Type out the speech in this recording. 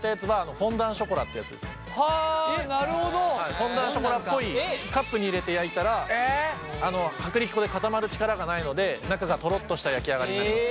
フォンダンショコラっぽいカップに入れて焼いたら薄力粉で固まる力がないので中がトロッとした焼き上がりになります。